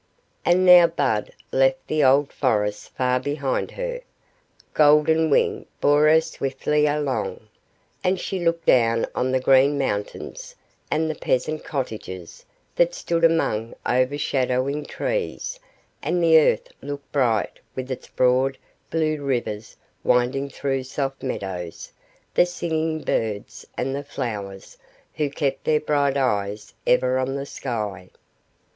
And now Bud left the old forest far behind her. Golden Wing bore her swiftly along, and she looked down on the green mountains, and the peasant's cottages, that stood among overshadowing trees; and the earth looked bright, with its broad, blue rivers winding through soft meadows, the singing birds, and flowers, who kept their bright eyes ever on the sky.